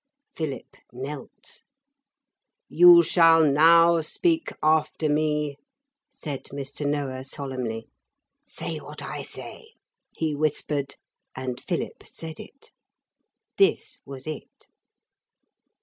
Philip knelt. 'You shall now speak after me,' said Mr. Noah solemnly. 'Say what I say,' he whispered, and Philip said it. This was it.